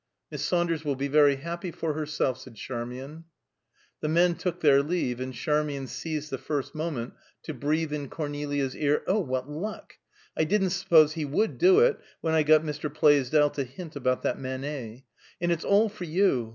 "Miss Saunders will be very happy for herself," said Charmian. The men took their leave, and Charmian seized the first moment to breathe in Cornelia's ear: "Oh, what luck! I didn't suppose he would do it, when I got Mr. Plaisdell to hint about that Manet. And it's all for you.